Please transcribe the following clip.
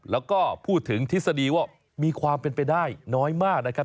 แล้วก็พูดถึงทฤษฎีว่ามีความเป็นไปได้น้อยมากนะครับ